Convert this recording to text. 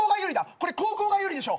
これ後攻が有利でしょ？